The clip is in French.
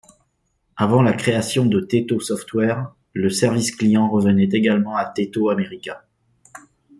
Avant la création de Taito Software, le service client revenait également à Taito América.